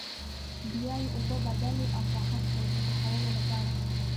بیا یې اوبه بدلې او پاخه کړئ د پخولو لپاره.